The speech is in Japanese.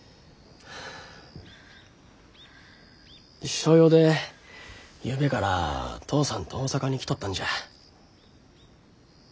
商用でゆうべから父さんと大阪に来とったんじゃ。